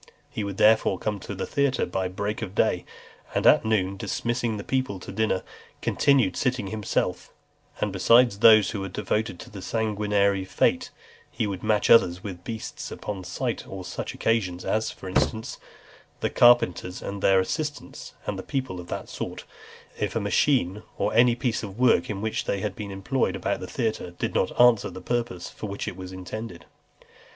He would therefore come to the theatre by break of day, and at noon, dismissing the people to dinner, continued sitting himself; and besides those who were devoted to that sanguinary fate, he would match others with the beasts, upon slight or sudden occasions; as, for instance, the carpenters and their (326) assistants, and people of that sort, if a machine, or any piece of work in which they had been employed about the theatre did not answer the purpose for which it had been intended.